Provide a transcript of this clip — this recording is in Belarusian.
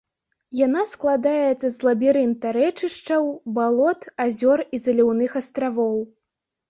Яна складаецца з лабірынта рэчышчаў, балот, азёр і заліўных астравоў.